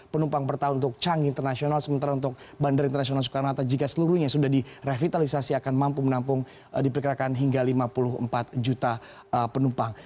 penumpang per tahun untuk canggih internasional sementara untuk bandara internasional soekarno hatta jika seluruhnya sudah direvitalisasi akan mampu menampung diperkirakan hingga lima puluh empat juta penumpang